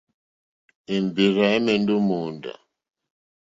Èmbèrzà ɛ̀mɛ́ndɛ́ ó mòóndá.